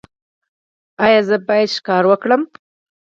ایا زه باید ښکار وکړم؟